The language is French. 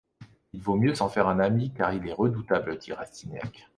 Il vaut mieux s’en faire un ami, car il est redoutable, dit Rastignac.